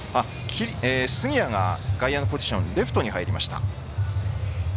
杉谷が外野のポジションレフトに入りました。